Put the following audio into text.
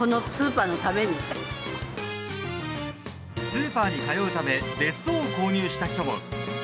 スーパーに通うため別荘を購入した人も。